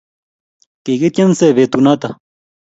Kikityense peetuunooto.